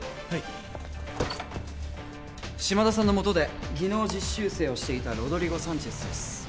はい島田さんのもとで技能実習生をしていたロドリゴ・サンチェスです